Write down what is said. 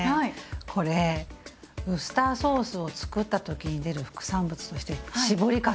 これウスターソースをつくった時に出る副産物として搾りかすなんです。